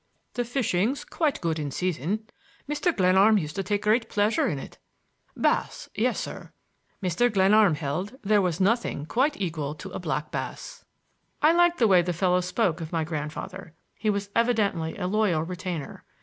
"The fishing's quite good in season. Mr. Glenarm used to take great pleasure in it. Bass,—yes, sir. Mr. Glenarm held there was nothing quite equal to a black bass." I liked the way the fellow spoke of my grandfather. He was evidently a loyal retainer.